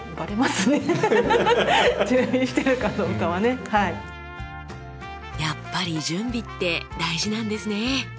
それはやっぱり準備って大事なんですね。